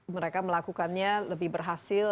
mereka melakukannya lebih berhasil